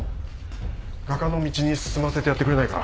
画家の道に進ませてやってくれないか？